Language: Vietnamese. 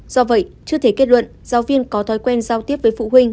do vậy chưa thể kết luận giáo viên có thói quen giao tiếp với phụ huynh